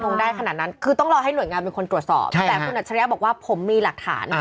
แต่คุณอัจฉริยะบอกว่าผมมีหลักฐาน